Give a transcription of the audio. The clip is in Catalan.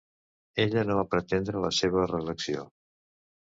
Ella no va pretendre la seva reelecció.